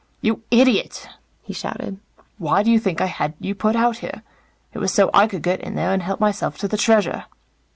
"You idiot," he shouted. "Why do you think I had you put out here? It was so I could get in there and help myself to the Treasure."